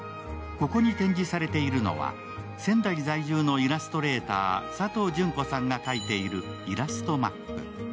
ここに展示されているのは仙台在住のイラストレーター、佐藤ジュンコさんが描いているイラストマップ。